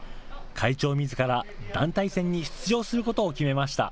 会長みずから団体戦に出場することを決めました。